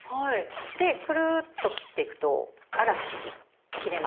でくるっと切っていくとあら不思議切れます。